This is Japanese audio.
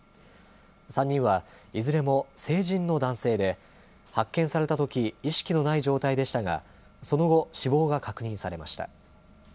３人はいずれも成人の男性で、発見されたとき、意識のない状態でしたが、その後、死亡が確認されました。